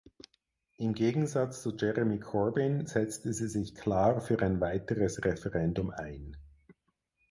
Im Gegensatz zu Jeremy Corbyn setzte sie sich klar für ein weiteres Referendum ein.